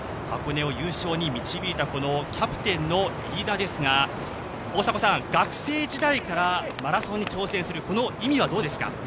箱根を優勝に導いたキャプテンの飯田ですが学生時代からマラソンに挑戦する、この意味はどうですか？